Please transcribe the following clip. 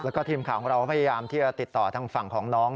แล้วก็ทีมข่าวของเราพยายามที่จะติดต่อทางฝั่งของน้อง